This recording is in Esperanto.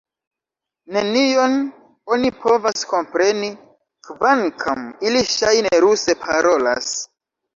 Nenion oni povas kompreni, kvankam ili ŝajne ruse parolas!